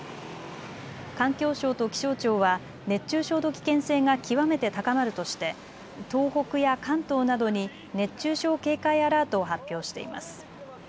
環境省と気象庁は熱中症の危険性が極めて高まるとして東北や関東などに熱中症警戒アラートを発表しています。